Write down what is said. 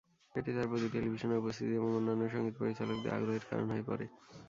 এটি তার প্রতি টেলিভিশনের উপস্থিতি এবং অন্যান্য সংগীত পরিচালকদের আগ্রহের কারণ হয়ে পড়ে।